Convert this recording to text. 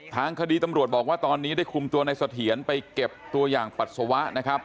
ทางคดีตำรวจบอกว่าตอนนี้ได้คุมตัวในเสถียรไปเก็บตัวอย่างปัสสาวะนะครับ